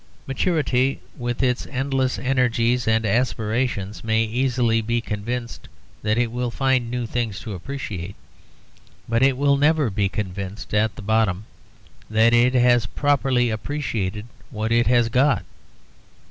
Maturity, with its endless energies and aspirations, may easily be convinced that it will find new things to appreciate; but it will never be convinced, at bottom, that it has properly appreciated what it has got.